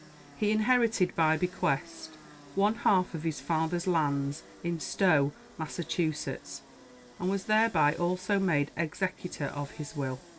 He inherited by bequest one half of his father's lands in Stow, Massachusetts, and was thereby also made executor of his will.